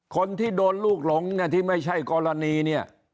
คนที่โดนลูกหลงเนี่ยที่ไม่ใช่กรณีเนี่ย